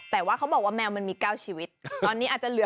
แต่ว่าเขาบอกว่าแมวมันมี๙ชีวิตตอนนี้อาจจะเหลือ